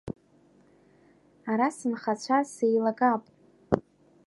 Ара сынхацәар сеилагап.